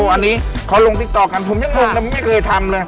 อันนี้เขาลงติ๊กต๊อกกันผมยังงงนะผมไม่เคยทำเลย